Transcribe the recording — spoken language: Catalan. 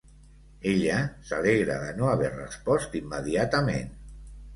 Ella s'alegra de no haver respost immediatament.